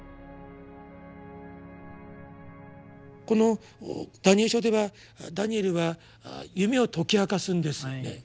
この「ダニエル書」ではダニエルは夢を解き明かすんですよね。